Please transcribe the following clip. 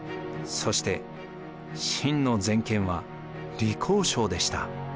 そして清の全権は李鴻章でした。